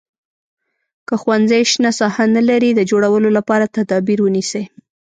که ښوونځی شنه ساحه نه لري د جوړولو لپاره تدابیر ونیسئ.